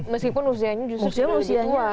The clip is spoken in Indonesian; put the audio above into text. meskipun usianya justru sudah lebih tua